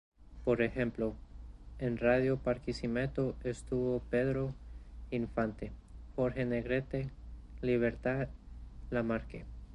Por ejemplo en Radio Barquisimeto estuvo Pedro Infante, Jorge Negrete, Libertad Lamarque.